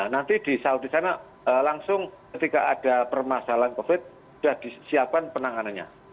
nanti di saudi sana langsung ketika ada permasalahan covid sudah disiapkan penanganannya